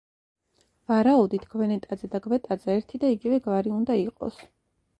ვარაუდით, გვენეტაძე და გვეტაძე ერთი და იგივე გვარი უნდა იყოს.